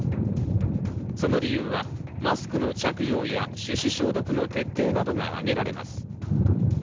その理由はマスクの着用や、手指消毒の徹底などが挙げられます。